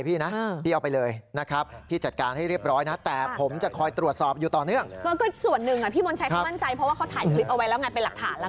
เพราะว่าเขาถ่ายคลิปเอาไว้แล้วเหมือนมันเป็นหลักฐานแล้วน่ะ